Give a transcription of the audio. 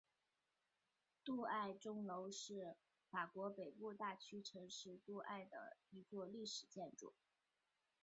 杜埃钟楼是法国北部大区城市杜埃的一座历史建筑。